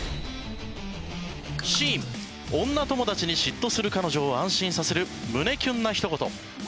シーン女友達に嫉妬する彼女を安心させる胸キュンなひと言。